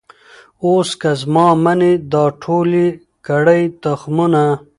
اوس که زما منۍ را ټول یې کړی تخمونه